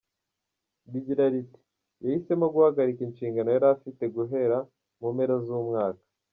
Rigira riti “Yahisemo guhagarika inshingano yari afite guhera mu mpera z’umwaka.